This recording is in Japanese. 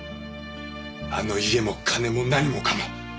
あの家も金も何もかも。